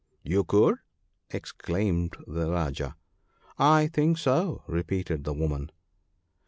" You could !" exclaimed the Rajah. " I think so !" repeated the woman.